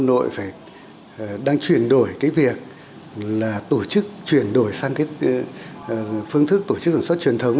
hà nội phải đang chuyển đổi cái việc là tổ chức chuyển đổi sang cái phương thức tổ chức sản xuất truyền thống